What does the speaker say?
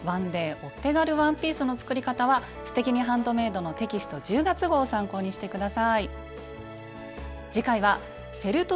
１ｄａｙお手軽ワンピース」の作り方は「すてきにハンドメイド」のテキスト１０月号を参考にして下さい。